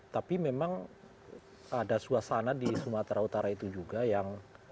tapi memang ada suasana di sumatera utara itu juga yang